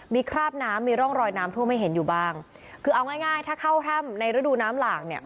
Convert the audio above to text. มีคราบน้ำมีร่องรอยน้ำท่วมให้เห็นอยู่บ้างคือเอาง่ายง่ายถ้าเข้าถ้ำในฤดูน้ำหลากเนี่ย